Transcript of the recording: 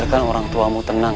jangan takut nak